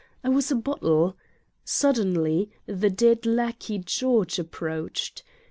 I was a bottle. Suddenly the dead lackey George approached.